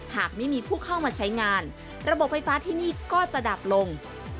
หากไม่มีผู้เข้ามาใช้งานระบบไฟฟ้าที่นี่ก็จะดับลง